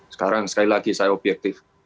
sekarang sekali lagi saya objektif